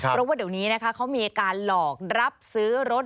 เพราะว่าเดี๋ยวนี้นะคะเขามีการหลอกรับซื้อรถ